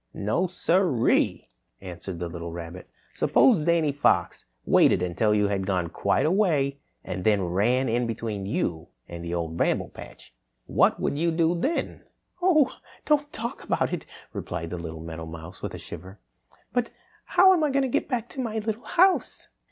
"No sir e e!" answered the little rabbit. "Suppose Danny Fox waited until you had gone quite a way and then ran in between you and the Old Bramble Patch. What would you do then?" "Oh, don't talk about it," replied the little meadowmouse with a shiver. "But how am I to get back to my little house?"